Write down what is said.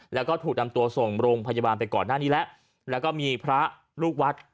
แล้วก็ถูกนำตัวส่งโรงพยาบาลไปก่อนหน้านี้แล้วแล้วก็มีพระลูกวัด